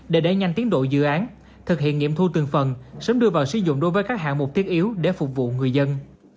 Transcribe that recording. để đẩy nhanh tiến độ dự án thực hiện nghiệm thu từng phần sớm đưa vào sử dụng đối với các hạng mục thiết yếu để phục vụ người dân